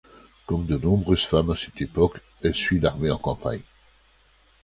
Comme de nombreuses femmes à cette époque, elle suit l'armée en campagne.